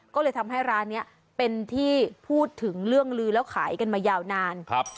ก็เลยทำให้ร้านนี้เป็นที่พูดถึงเรื่องลือแล้วขายกันมายาวนานครับ